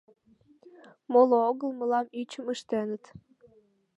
Моло огыл — мылам ӱчым ыштеныт!..